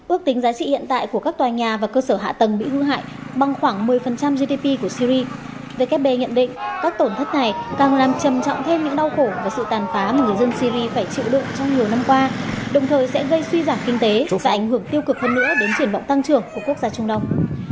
ước tính giá trị hiện tại của các tòa nhà và cơ sở hạ tầng bị hư hại bằng khoảng một mươi gdp của syri vkp nhận định các tổn thất này càng làm trầm trọng thêm những đau khổ và sự tàn phá mà người dân syri phải chịu đựng trong nhiều năm qua đồng thời sẽ gây suy giảm kinh tế và ảnh hưởng tiêu cực hơn nữa đến triển vọng tăng trưởng của quốc gia trung đông